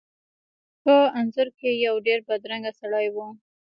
په انځور کې یو ډیر بدرنګه سړی و.